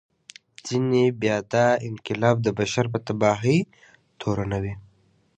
ځینې بیا دا انقلاب د بشر په تباهي تورنوي.